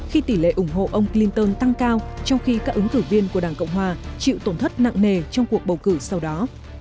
khi tỷ lệ ủng hộ ông clinton tăng cao trong khi các ứng cử viên của đảng cộng hòa chịu tổn thất nặng nề trong cuộc bầu cử sau đó